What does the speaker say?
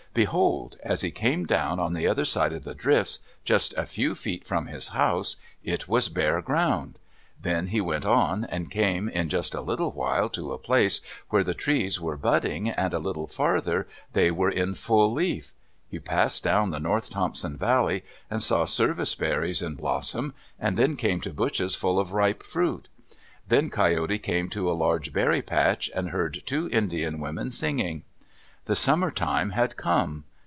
Behold! As he came down on the other side of the drifts, just a few feet from his house, it was bare ground! Then he went on and came in just a little while to a place where the trees were budding and a little farther they were in full leaf. He passed down the North Thompson Valley and saw service berries in blossom, and then came to bushes full of ripe fruit. Then Coyote came to a large berry patch, and heard two Indian women singing. The summer time had come.